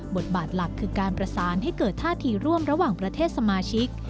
บทบาทหลักคือการประสานให้เกิดท่าทีร่วมระหว่างประเทศสมาชิก